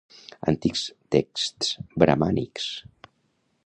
Antics texts bramànics.